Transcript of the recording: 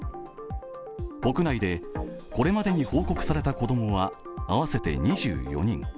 国内でこれまでに報告された子供は合わせて２４人。